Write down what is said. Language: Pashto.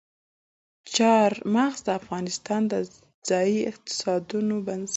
چار مغز د افغانستان د ځایي اقتصادونو بنسټ دی.